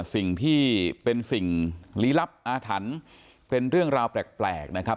สิ่งที่เป็นสิ่งลี้ลับอาถรรพ์เป็นเรื่องราวแปลกนะครับ